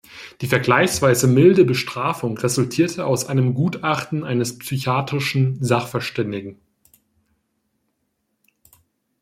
Die vergleichsweise milde Bestrafung resultierte aus einem Gutachten eines psychiatrischen Sachverständigen.